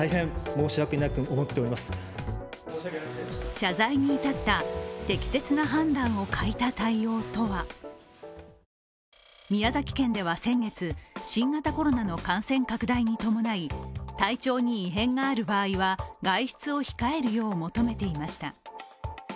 謝罪に至った「適切な判断を欠いた対応」とは宮崎県では先月、新型コロナの感染拡大に伴い体調に異変がある場合は外出を控えるよう求めていました。